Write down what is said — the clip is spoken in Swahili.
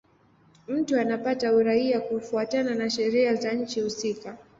Mtu anapata uraia kufuatana na sheria za nchi husika.